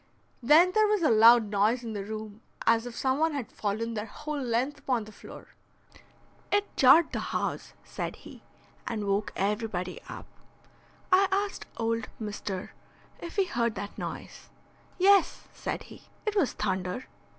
Then there was a loud noise in the room as if some one had fallen their whole length upon the floor. "It jarred the house," said he, "and woke everybody up. I asked old Mr. if he heard that noise. 'Yes,' said he, 'it was thunder.'